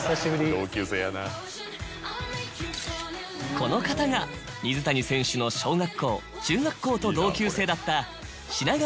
この方が水谷選手の小学校中学校と同級生だった。